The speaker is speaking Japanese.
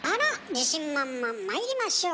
自信満々まいりましょう！